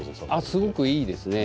すごくいいですね。